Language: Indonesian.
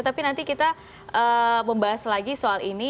tapi nanti kita membahas lagi soal ini